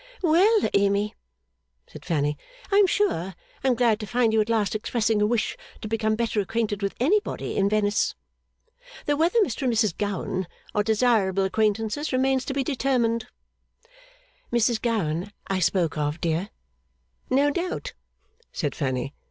'Well, Amy,' said Fanny, 'I am sure I am glad to find you at last expressing a wish to become better acquainted with anybody in Venice. Though whether Mr and Mrs Gowan are desirable acquaintances, remains to be determined.' 'Mrs Gowan I spoke of, dear.' 'No doubt,' said Fanny.